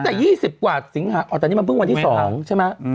แต่๒๐กว่าสิงหาอ๋อแต่นี่มันเพิ่งวันที่๒ใช่ไหม